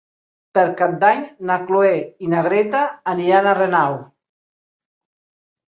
Per Cap d'Any na Cloè i na Greta aniran a Renau.